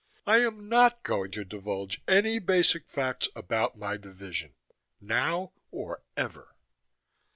I am not going to divulge any basic facts about my division, now or ever."